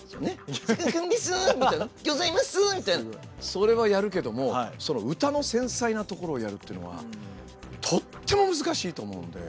それはやるけどもその歌の繊細なところをやるっていうのはとっても難しいと思うんで。